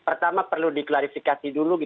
pertama perlu diklarifikasi dulu